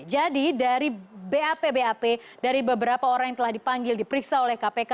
jadi dari bap bap dari beberapa orang yang telah dipanggil diperiksa oleh kpk